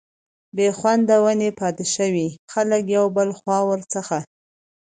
بي خونده ونې پاتي شوې، خلک يو بل خوا ور څخه